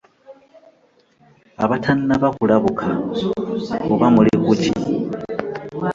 Abatannaba kulabuka oba muli ku ki?